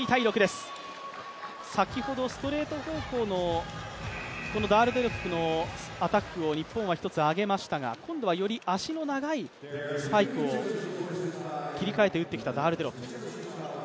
先ほどストレート方向のダールデロップのアタックを日本は１つ挙げましたが今度はより足の長いスパイクを切り替えて打ってきたダールデロップ。